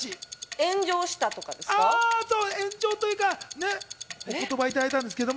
炎上というか、お言葉をいただいたんですけど。